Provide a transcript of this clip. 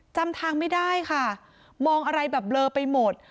จำทางไม่ได้ค่ะมองอะไรแบบเบลอไปหมด